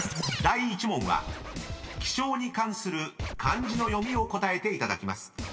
［第１問は気象に関する漢字の読みを答えていただきます。